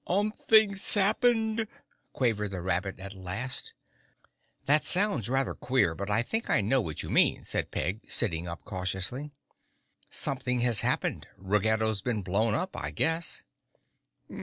"Umpthing sappened," quavered the rabbit at last. "That sounds rather queer, but I think I know what you mean," said Peg, sitting up cautiously. "Something has happened. Ruggedo's been blown up, I guess."